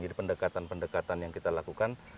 jadi pendekatan pendekatan yang kita lakukan